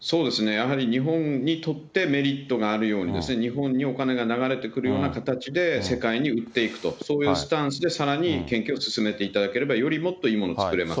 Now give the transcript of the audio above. やはり日本にとってメリットがあるようにですね、日本にお金が流れてくるような形で、世界に売っていくと、そういうスタンスでさらに研究を進めていただければ、よりもっといいもの作れますから。